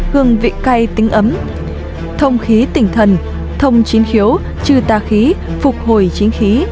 gừng vị cay tính ấm thông khí tỉnh thần thông chín khiếu trừ tà khí phục hồi chín khí